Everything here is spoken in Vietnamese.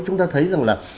chúng ta thấy rằng là